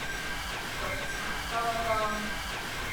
綠茶多多